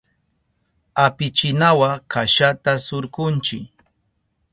Apichinawa kashata surkunchi.